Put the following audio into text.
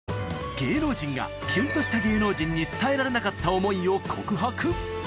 芸能人がキュンとした芸能人に伝えられなかった思いを告白。